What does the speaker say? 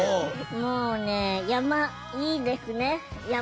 もうね山いいですね山。